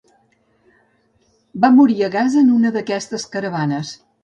Va morir a Gaza en una d'aquestes caravanes.